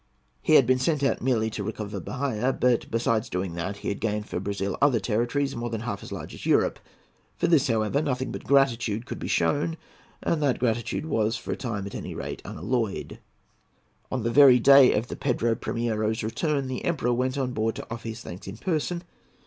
He had been sent out merely to recover Bahia; but, besides doing that, he had gained for Brazil other territories more than half as large as Europe. For this, however, nothing but gratitude could be shown, and the gratitude was, for the time at any rate, unalloyed. On the very day of the Pedro Primiero's return, the Emperor went on board to offer his thanks in person.